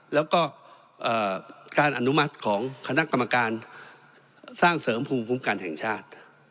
แล้วก็การอนุมัติของคณะกรรมการสร้างเสริมภูมิคุ้มกันแห่งชาติ